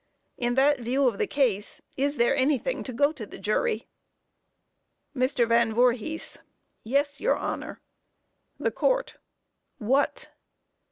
In that view of the case, is there anything to go to the jury? MR. VAN VOORHIS: Yes, your Honor. THE COURT: What?